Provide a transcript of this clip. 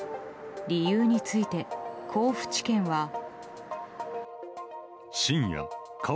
理由について、甲府地検は。